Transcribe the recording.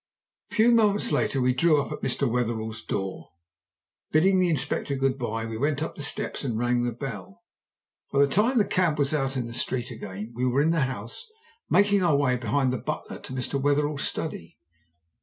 A few moments later we drew up at Mr. Wetherell's door. Bidding the Inspector good bye we went up the steps and rang the bell. By the time the cab was out in the street again we were in the house making our way, behind the butler, to Mr. Wetherell's study.